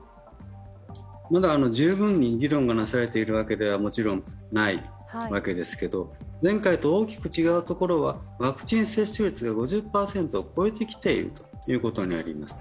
まだ十分に議論がなされているわけではないわけですけれども、前回と大きく違うところはワクチン接種率が５０％を超えてきているということになります。